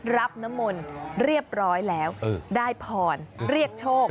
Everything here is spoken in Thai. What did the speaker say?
รับน้ำมนต์เรียบร้อยแล้วได้พรเรียกโชค